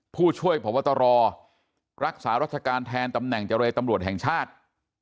ผู้ช่วยพบตรรักษารัชการแทนตำแหน่งเจรตำรวจแห่งชาติ